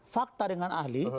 fakta dengan ahli